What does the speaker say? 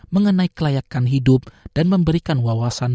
mengenai kelayakan hidup dan memberikan wawasan